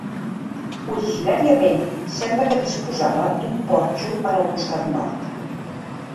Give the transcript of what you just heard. Originàriament sembla que disposava d'un porxo en el costat Nord.